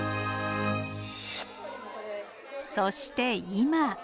そして今。